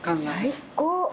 最高！